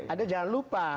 anda jangan lupa